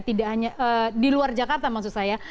tidak hanya di luar jakarta maksud saya